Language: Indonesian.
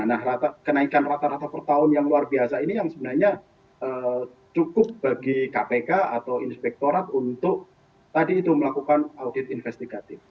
nah kenaikan rata rata per tahun yang luar biasa ini yang sebenarnya cukup bagi kpk atau inspektorat untuk tadi itu melakukan audit investigatif